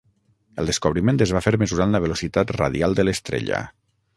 El descobriment es va fer mesurant la velocitat radial de l'estrella.